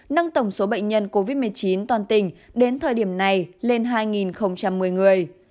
nâng tổng số bệnh nhân covid một mươi chín toàn tỉnh đến thời điểm này lên hai một mươi người